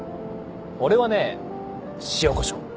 俺はね塩コショウ。